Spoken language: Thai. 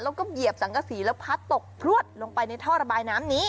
เราก็เย็บสังฆศีพลัดตกลงไปในท่อระบายน้ำหนิ